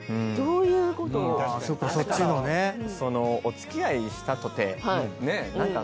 お付き合いしたとて何か。